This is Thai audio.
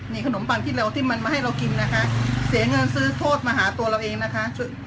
นี่ขนมปังที่เร็วที่มันมาให้เรากินนะคะเสียเงินซื้อโทษมาหาตัวเราเองนะคะ